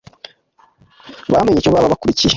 bamenye icyo baba bakurikiye.